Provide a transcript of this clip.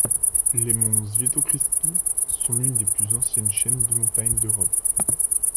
Les monts Świętokrzyskie sont l'une des plus anciennes chaînes de montagnes d'Europe.